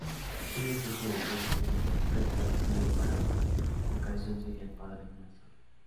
Un ejemplo de texto preestablecido para una invocación sería el "Padre nuestro".